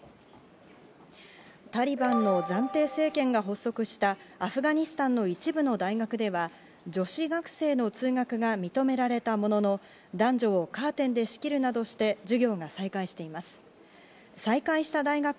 タリバンの暫定政権が発足したアフガニスタンの一部の大学では、女子学生の通学が認められたものの、男女をカーテンで仕切るなどして授業が再開しています。